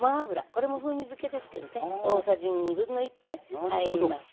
これも風味づけですけどね大さじ1/2杯入りました。